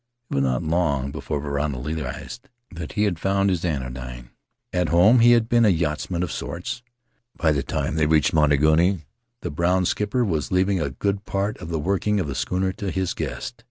... It was not long before Varana realized that he had found his anodyne. "At home he had been a yachtsman of sorts; by the time they reached Motutangi the brown skipper was leaving a good part of the working of the schooner to his guest.